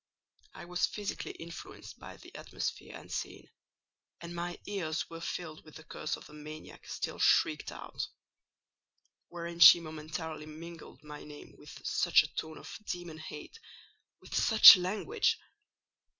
I was physically influenced by the atmosphere and scene, and my ears were filled with the curses the maniac still shrieked out; wherein she momentarily mingled my name with such a tone of demon hate, with such language!